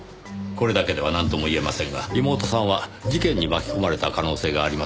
これだけではなんとも言えませんが妹さんは事件に巻き込まれた可能性がありますね。